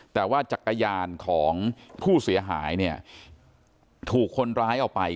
แต่ว่าจักรยานของผู้เสียหายเนี่ยถูกคนร้ายเอาไป